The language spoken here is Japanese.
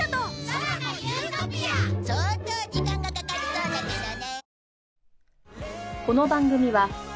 相当時間がかかりそうだけどね。